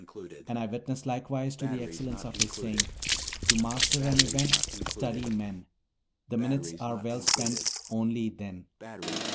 And I witness likewise to the excellence of his saying: "To master an Event, Study men! The minutes are well spent Only then."